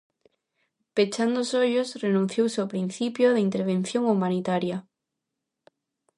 Pechando os ollos, renunciouse ao principio de intervención humanitaria.